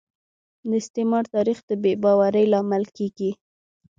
د استعمار تاریخ د بې باورۍ لامل کیږي